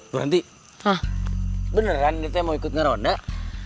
bu ranti beneran ini mau ikut ngerondak